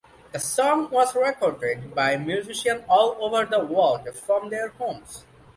The song was recorded by musicians all over the world from their homes.